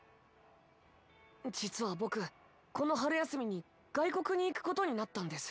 実はぼくこの春休みに外国に行くことになったんです。